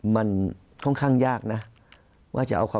มุมนักวิจักรการมุมประชาชนทั่วไป